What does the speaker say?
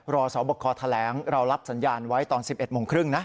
สอบคอแถลงเรารับสัญญาณไว้ตอน๑๑โมงครึ่งนะ